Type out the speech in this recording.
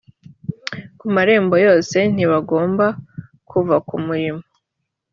ku marembo yose ntibagombaga kuva ku murimo